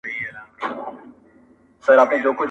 ويل پلاره پاچا لوڅ روان دئ گوره؛